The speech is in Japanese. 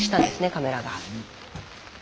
カメラが。